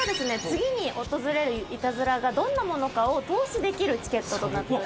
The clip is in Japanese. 次に訪れるイタズラがどんなものかを透視できるチケットとなっております。